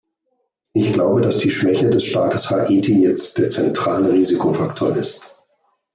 Ich glaube, dass die Schwäche des Staates Haiti jetzt der zentrale Risikofaktor ist.